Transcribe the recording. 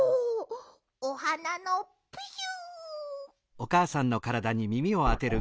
おはなのプシュ。